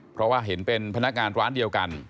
เพราะว่าเห็นเป็นพนักงานร้านเดียวกัน